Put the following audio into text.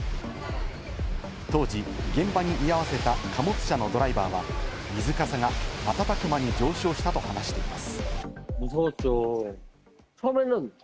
当時現場に居合わせた貨物車のドライバーは、水かさが瞬く間に上昇したと話しています。